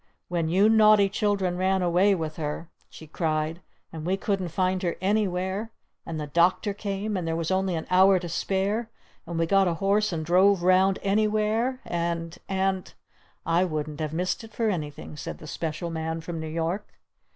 "When you naughty children ran away with her?" she cried. "And we couldn't find her anywhere? And the Doctor came? And there was only an hour to spare? And we got a horse and drove round anywhere? And And " "I wouldn't have missed it for anything!" said the Special Man from New York.